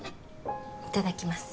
いただきます。